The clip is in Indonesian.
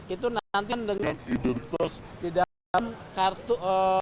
itu nantikan dengan identitas di dalam kartu